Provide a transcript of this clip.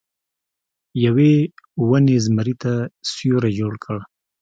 یوې ونې زمري ته سیوری جوړ کړ.